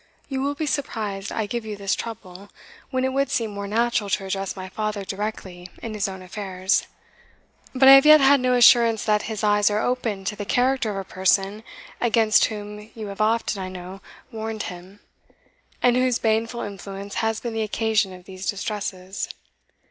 You will be surprised I give you this trouble, when it would seem more natural to address my father directly in his own affairs. But I have yet had no assurance that his eyes are opened to the character of a person against whom you have often, I know, warned him, and whose baneful influence has been the occasion of these distresses.